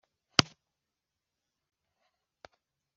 imisozi yawe yose y'icyaha